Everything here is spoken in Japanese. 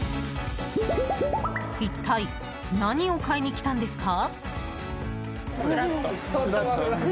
一体、何を買いに来たんですか。